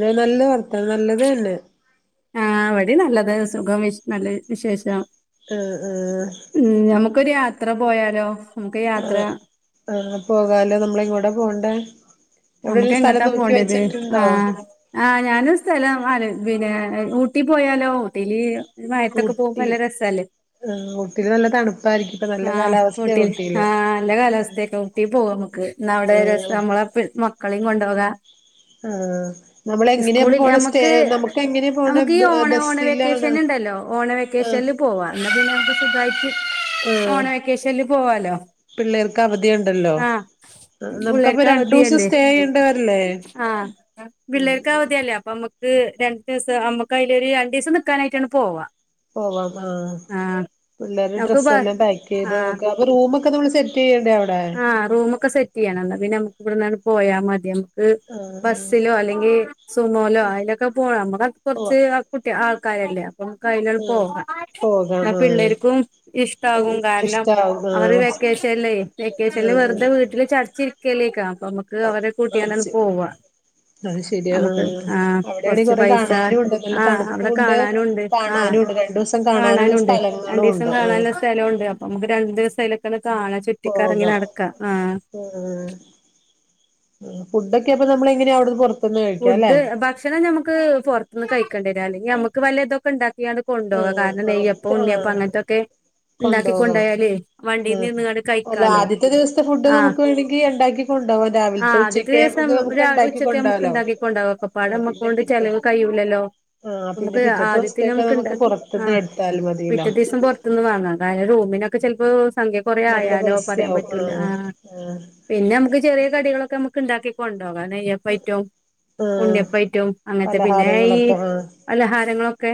ടെ നല്ല വർത്താനം നല്ലത് തന്നെ ആ ഇവിടെ നല്ലത് സുഖം വിശ് നല്ല വിശേഷം ഉം ഉം മ് നമുക്കൊരു യാത്ര പോയാലോ? നമുക്ക് യാത്ര ആഹ് ആഹ് പോകാലോ നമ്മൾ എങ്ങോട്ടാ പോകണ്ടേ നമുക്ക് എവിടെലും എങ്ങട്ടാ സ്ഥലം നോക്കി പോണ്ടിയത്? വെച്ച്ട്ട്ണ്ടോ ആഹ് ആഹ് ഞാൻ സ്ഥലം ആലോ പിന്നെ ഊട്ടി പോയാലോ ഊട്ടിയില് ഈ മഴത്തൊക്കെ പോവുമ്പോ ഊട്ടി നല്ല രസല്ലേ? ആഹ് ഊട്ടില് നല്ല തണുപ്പായിരിക്കും ഇപ്പൊ നല്ല ആഹ് കാലാവസ്ഥയാ ഊട്ടിൽ ഊട്ടിയില് ആഹ് നല്ല കാലാവസ്തേട്ടോ ഊട്ടി പോക നമ്മക്ക് ന്നാ അവിടെ രസം ആഹ് നമ്മളെ പി മക്കളിം കൊണ്ടോക ആഹ് നമ്മള് എങ്ങനെയാ ഇപ്പൊ ഇസ്കൂളി പോണെ സ്റ്റേ നമുക്ക്, നമുക്ക് എങ്ങനെയാ പോണെ നമുക്ക് ഈ ഓണ ബസ്സിലാണോ ഓണവെക്കേഷന്ണ്ടല്ലോ ഓണ ആഹ് വെക്കേഷൻൽ പോവാ എന്നാ പിന്നെ നമക്ക് സുഖായിട്ട് ഓണ ആഹ് വെക്കേഷനിൽ പോവാലോ പിള്ളേർക്ക് അവധിയുണ്ടല്ലോ ആഹ് നമുക്കപ്പൊ പുള്ളേര്ക്ക് രണ്ടൂസം അവധിയല്ലേ സ്റ്റേ ചെയ്യേണ്ടി വരില്ലേ ആ പിള്ളേർക്ക് ഉം അവധിയല്ലേ അപ്പൊ ഒര് രണ്ടു ദിവസം അമ്മക്ക് അയിൽ ഒരു രണ്ടു ദിവസം നിക്കാനായിട്ടാണ് പോവാ പോവാം ആഹ് പിള്ളേര് നമുക്ക് ബ ഡ്രസ്സെല്ലാം പാക്കെയ്ത് ആഹ് ഒക്കെ റൂമൊക്കെ നമ്മൾ സെറ്റ് ചെയ്യണ്ടേ അവിടെ ആഹ് റൂമൊക്കെ സെറ്റ് ചെയ്യണം എന്നാൽ പിന്നെ നമുക്ക് ഇവിടുന്നങ്ങ് പോയാ മതിയെന്ന് ഗ് ആഹ് ബസ്സിലോ അല്ലെങ്കിൽ സുമോയിലോ അതിലൊക്കെ പോവാം നമുക്കത് പോവാ കുറച്ച് കുട്ടി ആൾക്കാരല്ലേ [unintelligible] ആഹ് പോകാം ആ പോകാം ആഹ് പിള്ളേർക്കും ഇഷ്ടമാകും കാരണം ഇഷ്ടാവും അവര് ആഹ് വ്യക് ക്കേശല്ലേ വെക്കേഷൻല് ആഹ് വെറുതെ വീട്ടില് ചടച്ചിരിക്കലേക്കാ അപ്പൊമ്മക്ക് അവരെ കൂട്ടി ആഹ് അത് അങ്ങനെ ശെ പോവാ. അത് ശരിയാ നമുക്ക് ആഹ് ആ അവിടെയാണെ കൊറച്ച് കൊറെ പൈസ കാണാനും ഉണ്ട് നല്ല ആ അവിടെ തണുപ്പുണ്ട് കാണാനുണ്ട്. ആഹ് കാണാനും ഉണ്ട് രണ്ടു ദിവസം കാണാനുള്ള കാണാനുണ്ട് സ്ഥലങ്ങളും രണ്ടിസം ഉണ്ട് ആഹ് കാണാല്ലെ സ് സ്ഥലമുണ്ട് അപ്പൊ നമുക്ക് രണ്ടു ദിവസലൊക്കെന്ന് കാണുകയും ചുറ്റിക്കറങ്ങി നടക്കാം ആ ഉം ഉം ഫുഡൊക്കെ അപ്പൊ നമ്മൾ എങ്ങനെയാ അവിടുന്ന് പുറത്ത് ഫുഡ് ഭക്ഷണം നമുക്ക് പുറത്തുനിന്ന് കഴിക്കേണ്ടി വരാല് നമുക്ക് വല്ലതൊക്കെ ഉണ്ടാക്കിയാണ് കൊണ്ടുപോക ആഹ് കാരണം നെയ്യപ്പം ആദ്യത്തെ ഉണ്ണിയപ്പം ആഹ് അങ്ങനത്തൊക്കെ കൊണ്ടോകണം ണ്ടാക്കിക്കൊണ്ടോയാല് ഉം വണ്ടിനിന്ന്ങ്ങണ്ട് അല്ല കഴിക്കാലോ ആദ്യത്തെ ദിവസത്തെ ഫുഡ് ആ. നമുക്ക് വേണെങ്കി ഉണ്ടാക്കി കൊണ്ടോവാം ആ രാവിലത്തെ ആദ്യത്തെ ഉച്ചക്ക് ദിവസം ഇത് നമുക്ക് രാ ഉണ്ടാക്കി ഉച്ചക്ക് നമുക്ക് ക്ക് കൊണ്ടോവാലോ ഇണ്ടാക്കി കൊണ്ടോക ഒക്കപ്പാടെ ആ പിന്നെ നമ്മകൊണ്ട് പിറ്റേ ചെലവ് കഴിയൂല്ലല്ലോ. ആ പിന്നെ നമുക്ക് പിറ്റത്തെ ആദ്യത്തിന് ദിവസത്തേക്ക് നമുക്ക് ഇണ്ടാക്കി ആ പുറത്തുന്ന് എടുത്താൽ മതിയല്ലോ പിറ്റേ ദിവസം പുറത്തുന്ന് വാങ്ങാം കാരണം റൂമിനൊക്കെ ചിലപ്പോ സംഖ്യ കൊറെ നല്ല ആയാലോ പറയാൻ പൈസയാവും ആ പറ്റൂല്ല ആഹ് ആ പിന്നെ അമ്മക്ക് ചെറ്യാ കടികളൊക്കെ നമുക്ക് ഇണ്ടാക്കി കൊണ്ടോകാം നെയ്യപ്പൈറ്റോം ആ ഉണ്ണിയപ്പം ആയിട്ടും അങ്ങനത്തെ പിന്നെ ഈ പലഹാരങ്ങളൊക്കെ ആ പലഹാരങ്ങളൊക്കെ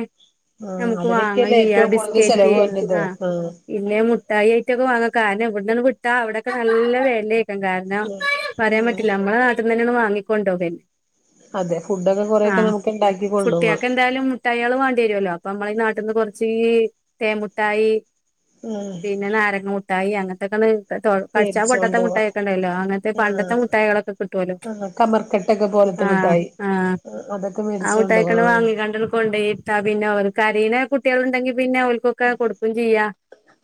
ആ നമുക്ക് വാങ്ങയും അതിനൊക്കെയല്ലേ ചെയ്യാം ഏറ്റവും ആ കൂടുതൽ ബിസ്കറ്റ് ചെലവ് വര്ണത് ആ ഇല്ലെ മുഠായി ഐറ്റൊക്കെ വാങ്ങാം കാരണം ഇവിടന്ന് വിട്ടാ അവിടൊക്കെ നല്ല വെലെ കാരണം പറയാൻ ഉം പറ്റില്ല നമ്മള നാട്ടിന്ന് തന്നെ ഒന്ന് വാങ്ങിക്കൊണ്ടുപോകുന്നേ അതെ ഫുഡൊക്കെ കുറെേയൊക്കെ നമുക്ക് ഇണ്ടാക്കി കൊണ്ടോവാ. മുട്ടയേള് വണ്ട്യേരല്ലോ അപ്പൊ നമ്മള ഈ നാട്ടിന്ന് കുറച്ച് തേമുട്ടായി ഉം പിന്നെ നാരങ്ങ മുട്ടായി അങ്ങത്തൊക്കെണ് കടിച്ചാ പൊട്ടാത്ത മേടിച്ചോണ്ടോവാ മുഠായിയൊക്കെ ഉണ്ടല്ലോ അങ്ങനത്തെ പണ്ടത്തെ മുഠായികളൊക്കെ കിട്ടുമല്ലോ കമർക്കട്ട് ആ ആ അതൊക്കെ അ മേടിച്ചോണ്ടോവാ മുഠായിക്കട ആഹ് വാങ്ങിക്കണ്ടാല് കൊണ്ടെയി ആ പിന്നെ ഒര് കരീണെ കുട്ട്യാൾ ഇണ്ടെങ്കി പിന്നെ ഓൽ പ്പൊക്കെ കൊടുക്കും ചെയ്യാ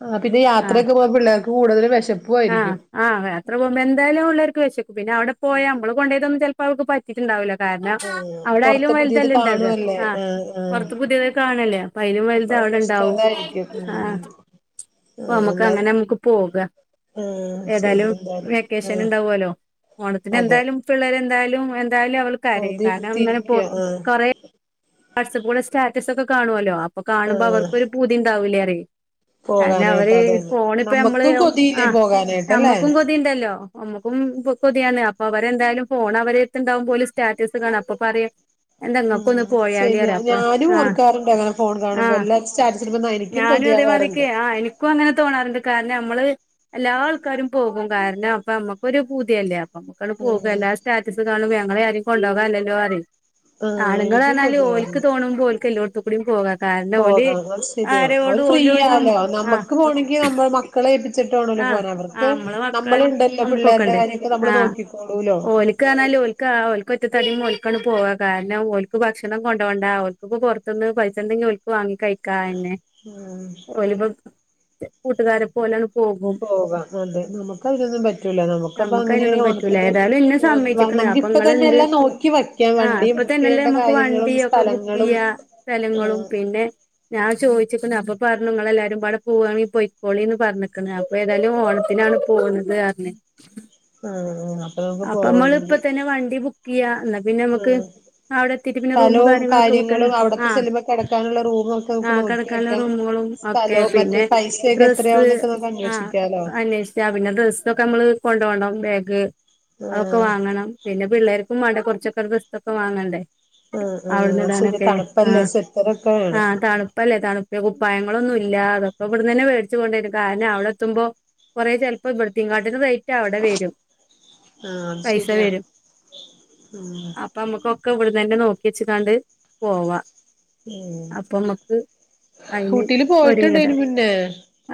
ആഹ് പിന്നെ ആഹ് യാത്രയൊക്കെ പോയ പിള്ളേർക്ക് കൂടുതല് ആഹ് വെശപ്പുവായിരിക്കും ആ യാത്ര പോമ്പം എന്തായാലും ഉള്ളവർക്ക് വിശക്കും പിന്നെ അവിടെ പോയാ നമ്മള് കൊണ്ട്പോയതൊന്നും ചെലപ്പോ അവർക്ക് പറ്റ് കിറ്റ്ണ്ടാവൂല കാരണം ആഹ് അവടെഅയിലും പൊറത്ത് പുതിയത് വലുതല്ലേ ഇണ്ടാക കാണുവല്ലേ ആഹ് ആഹ് പൊർത്ത് പുതേത് കാണല്ലേ അപ്പ അയിനും അപ്പൊ വലുത് അവിടെ അവർക്ക് ഇഷ്ടം ഇണ്ടാവും അതായിരിക്കും ആ ഉം അപ്പൊ ആഹ് നമുക്ക് എന്നാ അങ്ങനെ നമുക്ക് പോകാം ആഹ് ശരി ഏതായാലും എന്തായാലും വെക്കേഷൻ ആഹ് ഉണ്ടാവുമല്ലോ ഓണത്തിന് അതെ എന്തായാലും പിള്ളരെന്തായാലും എന്തായാലും അവൾ കരയും കാരണം ഇങ്ങനെ പ്പൊ കൊതിയുടുത്തിരിക്കുവാ ആഹ് കൊറേ വാട്സപ്പിലൂടെ സ്റ്റാറ്റസ് ഒക്കെ കാണുവല്ലോ അപ്പൊ കാണുമ്പോ ആഹ് അവർക്കൊ ഒരു പൂതി ഉണ്ടാവൂലേറെ കാരണം പോകാനായിട്ട് അവര് അതന്നെ ഫോണിപ്പൊ ഞമ്മള് നമ്മക്കും കൊതിയില്ലേ ആഹ് പോകാനായിട്ടല്ലേ ഞമ്മക്കും കൊതീണ്ടല്ലോ നമുക്കും കൊതിയാണ് അപ്പൊ അവരെന്തായാലും ഫോൺ അവരടുത്തുണ്ടാവുമ്പോല് സ്റ്റാറ്റസ് കാണാം അപ്പൊ പറയും എന്താ ഉം നോക്കുന്നോ? ശരിയാ ഞാനും ഓർക്കാറുണ്ട് അങ്ങനെ ഫോൺ കാണുമ്പോ ആഹ് എല്ലാരും സ്റ്റാറ്റസിടുമ്പോ എനിക്കും ഞാനും അതേമാതിക്ക് കൊതിയാവാറുണ്ട് ആ എനിക്കും അങ്ങനെ തോണാറ്ണ്ട് കാരണം അമ്മള് എല്ലാ ആൾക്കാരും പോകും കാരണം അപ്പൊ അമ്മക്കൊരു പൂതിയല്ലേ പ്പൊ മ്മക്കാണ്ട് പോക ആഹ് എല്ലാ സ്റ്റാറ്റസ് കാണും ഞങ്ങളെ ആരും കൊണ്ടോകാല്ലല്ലോ അറിം മ് എനി എന്നാല് ഓൽക്ക് തോന്നുമ്പോ ഓൽക്ക് എല്ലോടത്തു കൂടി പോകാം കാരണം ഓല് പോകാം അത് ശരിയാ അവര് ആരോടും ഓല് സമ്മ ഫ്രീയാല്ലേ ആ നമുക്ക് പോകണമെങ്കിൽ നമ്മൾ മ മക്കളെ ഏപ്പിച്ചിട്ടാണല്ലോ ആ പോകാൻ ആ അവർക്ക് നമ്മളെ മക്കള് നമ്മള്ണ്ടല്ലോ പിള്ളേരുടെ നമുക്കൊക്കെണ്ട് കാര്യൊക്കെ നമ്മള് നോക്കിക്കോളൂല്ലോ. ക്കാണേലും ഓൽക്ക് ആ ഓൽക്ക് ഒറ്റത്തടി മോൽക്കാണ് പോവാ കാരണം ഓൽക്ക് ഭക്ഷണം കൊണ്ടോണ്ട. ഓൽ ഇപ്പൊ പൊർത്ത്ന്ന് പൈസണ്ടങ്കിൽ ഓൽക്ക് വാങ്ങിക്കഴി കായന്നെ ഉം ഓൽപ്പം തെ കൂട്ടുകാരെപ്പൊ ഓലാണ് പോ പോകാം അതെ നമുക്ക് അതിനൊന്നും പറ്റൂല നമുക്കപ്പ നമ്മക്ക് അങ്ങനെയാണേ അയിനൊന്നും പറ്റൂല ഓണത്തിന് ഏതായാലും ഇന്നെ സമ്മയിച്ചിക്ക്ണ് അപ്പൊ നമുക്കിപ്പ തന്നെ ഇങ്ങളെന്ത് എല്ലാം നോക്കി വയ്ക്കാം ആഹ് വണ്ടിയും ഇപ്പൊ ബുക്ക് തന്നെല്ലേ ചെയ്യേണ്ട നമ്മക്ക് വണ്ടി കാര്യങ്ങളും ഒക്കെ ബുക്ക് സ്ഥലങ്ങളും. ചെയ്യാ സ്ഥലങ്ങളും ആഹ് പിന്നെ ഞാൻ ചോദിച്ചിപ്പോ ഞാനപ്പൊ പറഞ്ഞ നിങ്ങളെ എല്ലാരുകൂടെ പോവാങ്കി പൊയിക്കോളിന്ന് പറഞ്ഞ് [inaudible] അപ്പൊ ഏതായാലും ഓണത്തിനാണ് പോകുന്നത് പറഞ്ഞേ ആഹ് നമുക്ക് അപ്പൊ നമ്മൾ പോവാണെങ്കി ഇപ്പതന്നെ വണ്ടി ബുക്ക് ചെയ്യാ എന്നാ പിന്നെ നമ്മക്ക് ആഹ് അവിടെ എത്തീട്ട് പിന്നെ റൂമ് സ്ഥലവും കാര്യങ്ങളൊക്കെ ബുക്കല്ല കാര്യങ്ങളും അവിടത്തെ ആഹ് ചെല്ലുമ്പോ കിടക്കാനുള്ള റൂമും ഒക്കെ നമുക്ക് ആഹ് നോക്കി കിടക്കാല വെക്കാം റൂമുകളും ഓക്കെ സ്ഥലവും മറ്റേ പിന്നെ പൈസയൊക്കെ ഡ്രസ്സ് എത്രയാവുന്നൊക്കെ നമുക്ക് ആ അന്വേഷിക്കാലോ അന്വേഷി റ്റാ പിന്നെ ഡ്രസ്സൊക്കെ നമ്മള് കൊണ്ടോണ്ണം ബാഗ് അതൊക്കെ ആഹ് വാങ്ങണം പിന്നെ പിള്ളേർക്കും അവിടെ കുറച്ചൊക്കെ ഒരു ദസ്തൊക്കെ വാങ്ങണ്ടേ ആഹ് ആഹ് അത് ശരിയാ അവ്ട്ന്ന്ടാനൊക്കെ ആ തണുപ്പല്ലേ സ്വെറ്ററൊക്കെ ആ വേണം തണുപ്പല്ലേ തണുപ്പ് കുപ്പായങ്ങളൊന്നും ഇല്ലാത് അതൊക്കെ ഇവിടുന്നന്നെ മേടിച്ച് കൊണ്ടുപോം കാരണം അവിടെ എത്തുമ്പോ കൊറേ ചെലപ്പം ഇവിടത്തിങ്ങാട്ടീലും റൈറ്റ് അവിടെ വരും. ആഹ് അത് പൈസ ശരിയാ വരും ഉം അ അപ്പ നമ്മുക്കൊക്കെ ഇവട്ന്നനെ നോക്കി വച്ച് കാണ്ട് പോവാ. ഉം അപ്പം നമുക്ക് ഫൈനിൽ ഊട്ടില് പോയിട്ടുണ്ട് ഒരുങ്ങിയതാ. അയിന് മുന്നേ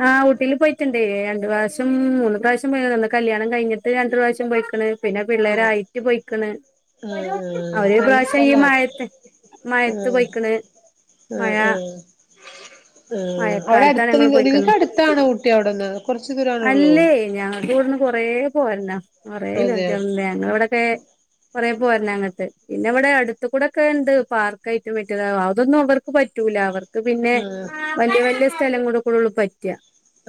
ആഹ് ഊട്ടീൽ പോയിട്ട്ണ്ടേ രണ്ട് പ്രാവശ്യം മൂന്ന് പ്രാവശ്യം പോയതാ ഒന്ന് കല്യാണം കഴിഞ്ഞിട്ട് രണ്ട് പ്രാവശ്യം ചും പോയിക്ക്ണ് പിന്നെ ആഹ് പിള്ളേരായിട്ട് പൊയിക്ക്ണ് ആഹ് ആഹ് അവര് നല്ല പ്രാവശ്യം ഈ സ്ഥലാ മഴത്തെ മയത്ത് ആഹ് പൊയ്ക്ക്ണ്. ആഹ് ആഹ് ആഹ് അവിടെ മഴക്കാലത്താണ് അടുത്ത ഞങ്ങള് നിന്ന് പോയിക്കണ് നിങ്ങൾക്ക് അടുത്താണോ ഊട്ടി അവിടെന്ന് കൊറച്ചു ദൂരണള്ളൂ കൊറെ പോരണം കൊറേ [unintelligible] ഞങ്ങള ഇവിടൊക്കെ കൊറേ പോര്ന്നം അങ്ങട്ട് പിന്നെ ഇവിടെ അടുത്തുകൂടെ ഒക്കെ ഇണ്ട് പാർക്കായിട്ടും മറ്റും അതൊന്നും അവർ പറ്റൂല അവർക്ക് പിന്നെ ആഹ് വലിയ വലിയ സ്ഥലം കൂടെ കൂടെള്ള പറ്റ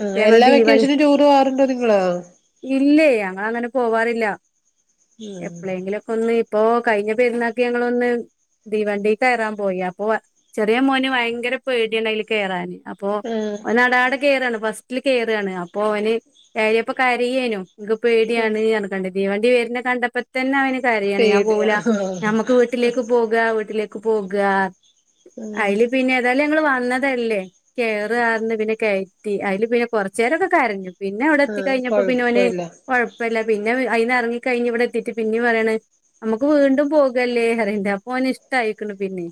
ആ എല്ലാ വെക്കേഷനും ടൂറ് പോകാറുണ്ടോ നിങ്ങള് ഇല്ലേ ഞങ്ങൾ അങ്ങനെ പോവാറില്ല എപ്പളേങ്കിലും ഒക്കെ ഒന്ന് ഇപ്പൊ കഴിഞ്ഞ പെരുന്നാക്കി ഞങ്ങളൊന്ന് തീവണ്ടി കയറാൻ പോയി. അപ്പൊ ചെറിയ മോന് ഭയങ്കര പേടിയണയില് കേറാൻ. അ അപ്പൊ ഓന ആ ടാഹ് ട്ഹ് കേറാണ് ഫസ്റ്റിൽ കേറാണ് അപ്പോ ഓന് കയറിയപ്പോ കരയേനു ഇൻക്ക് പേടിയാണ് അറ കണ്ട് തീവണ്ടി വെര്നെ കണ്ടപ്പത്തന്നെ അവന് കരയാണ് ഞാൻ പേടിയാ പോവുല ആ ഞമ്മക്ക് വീട്ടിലേക്ക് പോ കാ വീട്ടിലേക്ക് പോകാ ആ അയില് പിന്നെ ഏതായാലും ഞങ്ങള് വന്നതല്ലേ കേറാറഞ്ഞ് പിന്നെ കെയറ്റി അയില് പിന്നെ കൊറച്ചേരൊക്കെ കരഞ്ഞു പിന്നെ അവിടെ ആ എത്തി കഴിഞ്ഞപ്പോ പിന്നെ ഓന് കൊഴപ്പല്ല കുഴപ്പല്ല പിന്നെ അയിനെറങ്ങി കഴിഞ്ഞ് ഇവിടെത്തിട്ട് പിന്നേ പറയാണ് നമുക്ക് വീണ്ടും പോകല്ലേ അറീണ്ട് അപോന് ഇഷ് ട്ടായിക്ന് പിന്നിം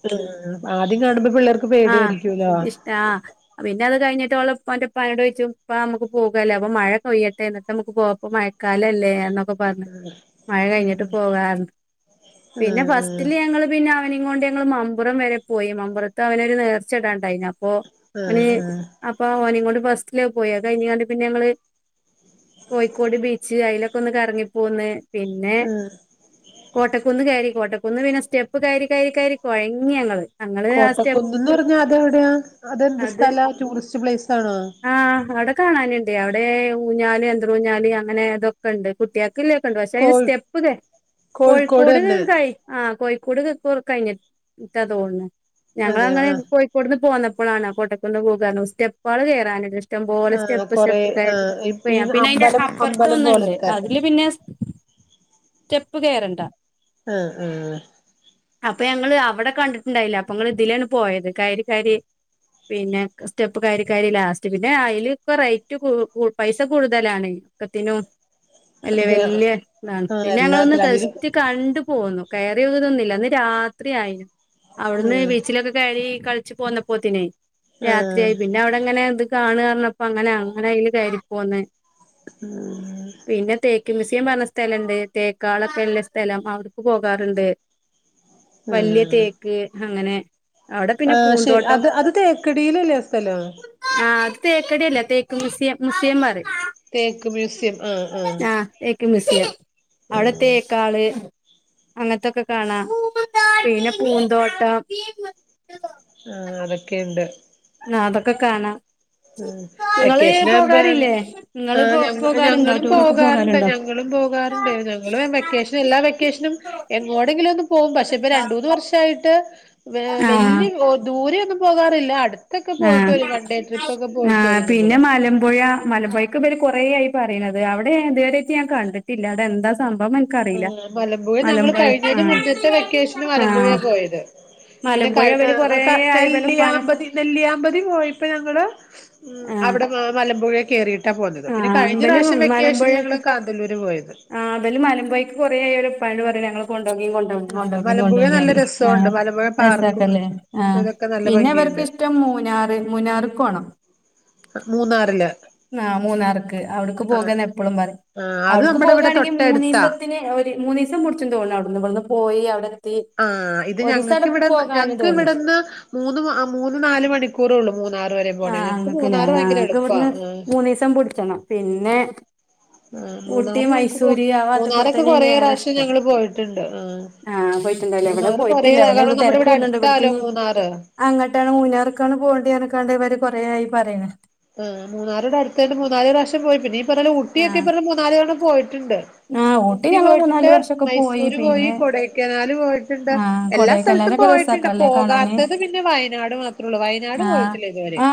ആഹ് ആദ്യം കാണുമ്പോ പിള്ളേർക്ക് ആഹ് പേടിയായിരിക്കുല്ലോ? ഇഷ്ട ആഹ് പിന്നെ അതുകഴിഞ്ഞിട്ട് ഓള് ഉപ്പാന്റെന്റുപ്പാനോട് ചോയിച്ചു ഉപ്പാ അമ്മക്ക് പോകാല്ലേ അപ്പ മഴകൊയ്യട്ടെ എന്നിട്ട് അമ്മക്ക് പോ ഇപ്പ മഴക്കാലല്ലേ അത പ്പപർഞ്ഞ് മഴ കഴിഞ്ഞിട്ട് പോകാർഞ് ആ പിന്നെ ഫസ്റ്റില് ഞങ്ങള് പിന്നെ. അവനിങ്ങൊണ്ട് ഞങ്ങള് മമ്പുറം വരെ പോയി മമ്പുറത്ത് അവനൊരു നേർച്ചടാണ്ടായിന് അപ്പോ ആ അവന് ആ അപ്പൊ ഓനേകൊണ്ട് ഫസ്റ്റില് പോയി അത് കഴിഞ്ഞ്കാണ്ട് പിന്നെ ഞങ്ങള് [inaudible] ക്കോടി ബീച്ച് അയിലെക്കൊന്ന് കറങ്ങിപ്പോന്ന് പിന്നെ ആ കോട്ടക്കുന്ന് കയറി കോട്ടക്കുന്ന് പിന്നെ സ്റ്റെപ്പ് കയറി കയറി കയറി കുഴഞ്ഞ് ഞങ്ങള് ഞങ്ങള് ആ സ്റ്റെപ്പ് കോട്ടക്കുന്ന്ന്ന് പറഞ്ഞ അതെ വിടെയാ അതെന്ത് സ്ഥല ടൂറിസ്റ്റ് പ്ലേസ് ആണോ ആ അവടെ കാണാനുണ്ട് അവടേ ഊഞ്ഞാല് യന്ത്ര ഊഞ്ഞാല് അങ്ങനെ അതൊ ണ്ട് കുട്ടിയേക് ഇല്ലതൊക്കണ്ട് പക്ഷെ അയ്ന് കോഴി സ്റ്റെപ്പ് കോഴിക്കോട് കൈ ആഹ് കോഴിക്കോട് [unintelligible] കഴിഞ്ഞിട്ടാ തോൺണ് അതെ ആ ഞങ്ങളങ്ങനെ പോയി കോട്ന്ന് പോന്നപ്പളാണ് കോട്ടക്കുന്ന് പോകാറഞ്ഞു സ്റ്റെപ്പാള് കേറാനിതിഷ് ഇഷ്ടംപോലെ ആ സ്റ്റെപ്പ് കൊറെ സ്റ്റെപ്പ് ക ആ ഈ പിന്നെ അയിന്റെ അമ്പലം അമ്പലം അപ്പറത്തൊന്നുണ്ട് പോലത്തെ അതില് പിന്നെ സ്റ്റെപ്പ് കയറണ്ട ആഹ് ആഹ് അപ്പൊ ഞങ്ങള് അവിടെ കണ്ടിട്ടുണ്ടായില്ല അപ്പൊങ്ങൾ ഇതിലാണ് പോയത് കയരി കയരി പിന്നെ സ്റ്റെപ്പ് കൈരി കൈരി ലാസ്റ്റ് പിന്നെ അയില് റേറ്റ് പൈസ കൂടുതലാണ് ഒക്കത്തിനും വല്ല്യ അതെ വല്ല്യ ഇതാണ് ആ പിന്നെ ഞങ്ങളൊന്ന് എല്ലാത്തിലും അല്ലേലും ഗെസ്റ്റ് കണ്ടു പോന്നു കയറിയതൊന്നില്ല അന്ന് രാത്രി ആയിനു അവിടുന്ന് ആഹ് ബീച്ചിലൊക്കെ കേറി കളിച്ച് പോന്നപ്പോത്തിനെ ആഹ് രാത്രിയായി പിന്നെ പിന്നെ അവടങ്ങനെ ഇത് കാണർഞ്ഞപ്പോ അങ്ങനെ അങ്ങനെ അയില് കേറിപ്പോന്ന് [inaudible] പിന്നെ തേക്ക് മ്യൂസിയം പറഞ്ഞ സ്ഥലണ്ട് തേക്കാളക്കല്ല സ്ഥലം അവുട്ക്ക് പോകാറുണ്ട് വല്യ ആഹ് തേക്ക് അങ്ങനെ അവിടെ പിന്നെ ആ ശെരി പൂന്തോട്ടം അത് അത് തേക്കടിയിലല്ലേ ആ സ്ഥലം ആഹ് അത് തേക്കടി അല്ല തേക്ക് മുസിയ മുസിയം പറീം തേക്ക് മ്യൂസിയം ആഹ് ആഹ് ആ തേക്ക് മ്യൂസിയം അവടെ ആഹ് തേക്കാള് അങ്ങനൊത്തൊക്കെ കാണാം പിന്നെ പൂന്തോട്ടം ആഹാ അതെക്കെയ്ണ്ട്. ആഹ് അതൊക്കെ കാണാം ആഹ് ഇങ്ങള് വെക്കേഷനാകുമ്പോ പോകാറില്ലേ ഇങ്ങള് ആഹ് പോ ഞങ്ങ പോകാറുണ്ടോ ഞങ്ങളും ടൂറൊക്കെ പോകാറുണ്ട് പോകാറുണ്ടോ [unintelligible] പോകാറുണ്ട് ഞങ്ങള് വെക്കേഷന് എല്ലാ വെക്കേഷനും എങ്ങോടെങ്കിലും ഒന്ന് പോകും പക്ഷെ ഇപ്പ രണ്ട്മൂനുവർഷയിട്ട് ട്ട് വേ വെല്ല്യ ആഹ് ലോ ദൂരെ ഒന്നും പോകാറില്ല അടുത്തൊക്കെ പോയിട്ട് ഒരു വണ്ടേട്രി ആ പിന്നെ മല ലമ്പുഴ മലമ്പുഴക്ക് ഇവര് കൊറേ ആയി പറീണത് അവിടെഞാൻ ഇതേവെരായിറ്റ് ഞാൻ കണ്ടിട്ടില്ല അവിടെ എന്താ സംഭവം മ ആഹ് മലമ്പുഴ ഞങ്ങള് കഴിഞ്ഞിനേൻ്റെ മുന്നത്തെ വെക്കേഷന് ആ ആ മലമ്പുഴാ പോയത് പിന്നെ മലമ്പുഴ കയ് ഇവര് ആഹ് കൊറേ ക ആയി ഇവലെ ഉപ്പാനെ നെല്ലിയാമ്പതി നെല്ലിയാമ്പതി പോയപ്പോ ഞങ്ങള് ഉം ആ അവടെ മലമ്പുഴേ കേറി [unintelligible] പോന്നത് ആ പിന്നെ കഴിഞ്ഞ ഇവല് പ്രാവശ്യം വെക്കേഷന് ഞങ്ങള് കാന്തല്ലൂര് പോയത് ആഹ് ഇബല് മലമ്പൊയക്ക് കുറേ ആയി ഓലെ ഇപ്പനോട് പറീണു ഞങ്ങളെ കൊണ്ടോകിം കൊണ്ടോകിം ആ കൊണ്ടോകിം മലമ്പുഴ നല്ല കൊണ്ടോകിഅറിം ആഹ് രസമുണ്ട് മലമ്പുഴ പാർക്കും രസക്കല്ലേ ആഹ് അതൊക്കെ നല്ല പിന്നെ ഭംഗിയുണ്ട് ഇവർക്കിഷ്ടം മൂനാറ് മൂനാറ്ക്കോണം മൂന്നാറില് ആ മൂന്നാർക്ക് അവിടുക്ക് ആ പോകാന്ന് എപ്പളും പറയും ആ അത് അവിടെക്ക് നമ്മുടെ ഇവിടെ പോകാണെങ്കി തൊട്ടടുത്താ മൂന്നീസത്തിന് ഓൽക് ദേ മൂന്നീസം പുടിച്ചും തോന്നുണു അവിടുന്ന് ഇവിടുന്ന് പോയി അവടെ ര ആഹ് ഇത് ഞങ്ങക്ക് വിടന്ന് ഞങ്ങക്ക് തോന്നുന്നു ഇവിടന്ന്. മൂന്ന് മൂന്ന് നാല് മണിക്കൂറള്ളൂ മൂന്നാറ് വരെ ആഹ് പോണേന് ഞങ്ങക്ക് ഞങ്ങക്കല്ലേ മൂന്നാറ് ഭയങ്കര ഞങ്ങക്ക് എളുപ്പാ ഇവിടുന്ന് ആഹ് മൂന്നീസം പിടിച്ചണം പിന്നെ ആ ഊട്ടി മൂന്നാറ് ഞങ്ങക്ക് പോ മൈസൂര് ആ ഭാഗത്തുകൂടെ മൂന്നാറൊക്കെ തന്നെയാണ് കൊറേ ഏറെ റാശ്യം ഇഷ്ടം ഞങ്ങള് പോയിട്ടുണ്ട് ആഹാ ആ പോയിട്ടുണ്ടാവില്ല ഇവിടെ മൂന്നാറ് കൊറേ പോയിട്ടില്ല വല്ല കാരണം തിരക്ക് നമ്മടവടെ കൂടുന്നുണ്ട് ഇവൽക്ക് അടുത്താലോ ഇനി മൂന്നാറ്. അങ്ങട്ടാണ് മൂനാർക്കാണ് പോണ്ടേ അറഞ്ഞ്കാണ്ട് ഇവര് കൊറേ ആയി പറീണ് ആഹ് മൂന്നാർ ടടുത്തായോണ്ട് മൂന്നാല് പ്രാവശ്യം പോയി പിന്നെ ഈ പറിണ ആ ഉട്ടിയൊക്കെ പറഞ്ഞ മൂന്നാല് തവണ പോയിട്ടുണ്ട് ആ ഊട്ടി ഞങ്ങള് പോയിട്ടുണ്ട് മൂന്നാല് വർഷൊക്കെ മൈസൂര് പോയി പിന്നെ കൊടൈക്കനാല് പോയിട്ടുണ്ട് ആ എല്ലാ സ്ഥലത്തും കൊടൈക്കനാലൊക്കെ പോയി പിണ്ട രസാക്കല്ലേ കാണാന് പോകാത്തത് പിന്നെ വയനാട് മാത്രോള്ളൂ വയനാട് പോയിട്ടില്ല ഇതുവരേം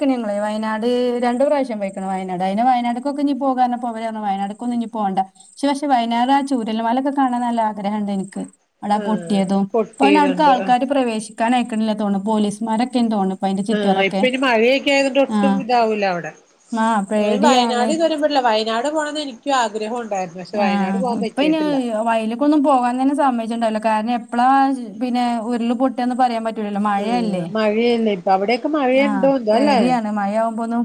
ങ്ങള് വയനാട് രണ്ട് പ്രാവശ്യം പെയ്ക്കുണു വയനാട് അയിന് വയനാട്ക്കിനി പോകാറഞ്ഞപോ വയനാട്ക്കൊന്ഞ്ഞി പോണ്ട ഇച്ച് പക്ഷെ വയനാടാ ചൂരൽമലൊക്കെ കാണാൻ നല്ല ആഗ്രഹംണ്ട് എനിക്ക് അവിടെ ആഹ് പൊട്ടിയേതും ഇപ്പാണ്ണേ അവിടുക്ക് പൊട്ടിയതുണ്ട് ആഹ് ആൾക്കാര് പ്രവേശിക്കാനയക്കണില്ല തോൺണ് പോലീസ്മാരൊക്കെ തോണു ആ ഇപ്പൊ ഇനി മഴയൊക്കെ ആയതോണ്ട് ഒട്ടും ആഹ് ഇതാവൂല അവടെ ആഹ് ഏ പേടിയാണ് വയനാട് ഇതുവരെ പോയിട്ടില്ല വയനാട് പോണന്ന് എനിക്കും ആഗ്രഹമൊണ്ടായിരുന്നു ആഹ് ഇപ്പയിന് വയില് ഇപ്പൊന്നും പോകാൻ തന്നെ സമ്മയ്ച്ച്ണ്ടാവൂല്ല കാരണം എപ്പളാ പിന്നെ ഉരുള്പൊട്ടാന്ന് പറയാൻ പറ്റൂ ഉം ന്ന് ആഹ് മഴയല്ലേ മഴയല്ലേ ഇപ്പൊ അവിടെയൊക്കെ ആഹ് മഴയുണ്ടോ എന്തോ അല്ലേ പേടിയാണ് മഴയാവുമ്പോ ഒന്നും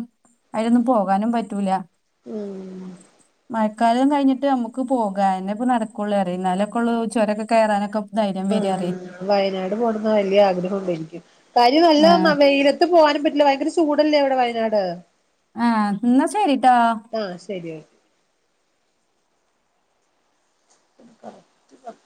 അയിലൊന്നും പോകാനും പറ്റൂല ഉം മഴക്കാലം കഴിഞ്ഞിട്ട് നമുക്ക് പോകാഅതെന്നെപ്പ നടക്കുള്ളൂ അറയ ന്നാലൊക്കെള്ളൂ ചുരൊക്കെ കയറാനൊക്കെ ധൈര്യം വരാ അറിയ ആഹ് വയനാട് പോണന്ന് വലിയ ആഗ്രഹുണ്ടനിക്ക് കാര്യം ആഹ് വല്യ വെയില ട്ട് പോവാനും പറ്റില്ല ഭയങ്കര ചൂടല്ലേ അവടെ വയനാട് ആഹ് എന്നാ ശരിട്ടാ ആഹ് ശരിയാണ് [unintelligible]